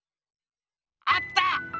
あった！